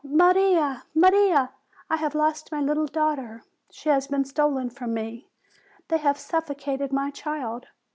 Maria! Maria! I have lost my little daugh ter! She has been stolen from me! They have suffo cated my child!"